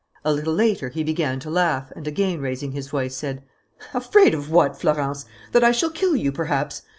A little later he began to laugh and, again raising his voice, said: "Afraid of what, Florence? That I shall kill you perhaps?